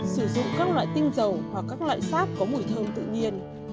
sử dụng các loại tinh dầu hoặc các loại sáp có mùi thơm tự nhiên